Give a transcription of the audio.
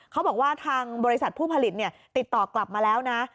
เขาบอกว่าทางบริษัทผู้ผลิตติดต่อกลับมาแล้วนะ